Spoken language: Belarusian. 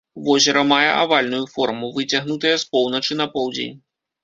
Возера мае авальную форму, выцягнутае з поўначы на поўдзень.